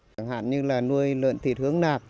chẳng hạn như nuôi lợn thịt hướng nạp